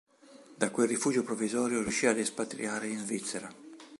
Da quel rifugio provvisorio riuscì ad espatriare in Svizzera.